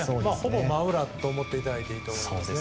ほぼ真裏と思っていただいていいと思います。